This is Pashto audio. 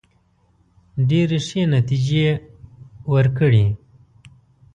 ډېري ښې نتیجې وورکړې.